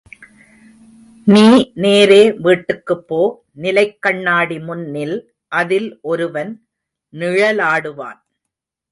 நீ நேரே வீட்டுக்குப் போ நிலைக் கண்ணாடி முன் நில், அதில் ஒருவன் நிழலாடுவான்.